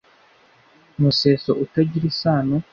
museso utagira isano